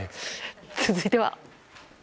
続いては。